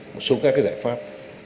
một số các cái giải pháp